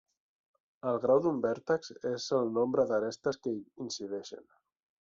El grau d'un vèrtex és el nombre d'arestes que hi incideixen.